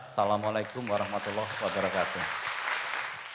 assalamualaikum warahmatullah wabarakatuh